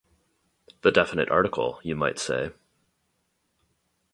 The definite article, you might say.